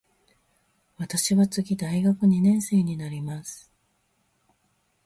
私は次大学二年生になります。